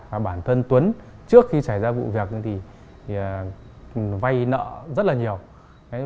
và bản thân tuấn trước khi xảy ra vụ việc thì vay nợ rất là nhiều